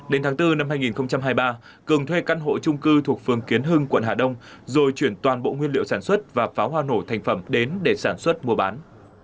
đến tháng bốn năm hai nghìn hai mươi ba cường thuê căn hộ trung cư thuộc phường kiến hưng quận hà đông rồi chuyển toàn bộ nguyên liệu sản xuất và pháo hoa nổ thành phẩm đến để sản xuất mua bán